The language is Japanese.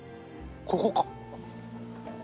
ここか。